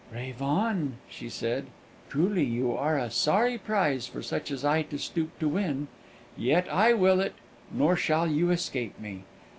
"Rave on," she said. "Truly, you are a sorry prize for such as I to stoop to win; yet I will it, nor shall you escape me.